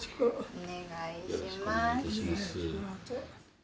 お願いします。